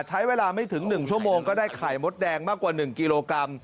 ใช้เวลาไม่ถึง๑ชั่วโมงก็ได้ไข่มดแดงมากกว่า๑กิโลกรัม